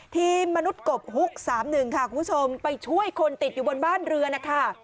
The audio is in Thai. มนุษย์กบฮุก๓๑ค่ะคุณผู้ชมไปช่วยคนติดอยู่บนบ้านเรือนนะคะ